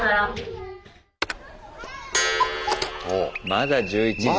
まだ１１時。